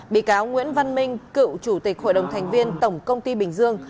bị cáo nguyễn văn minh cựu chủ tịch hội đồng thành viên tổng công ty bình dương